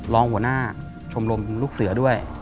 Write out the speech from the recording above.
รองหัวหน้าชมรมลูกเสือด้วย